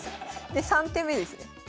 で３手目ですね。